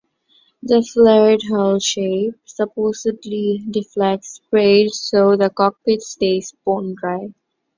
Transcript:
The flared hull shape supposedly deflects spray so the cockpit stays bone dry.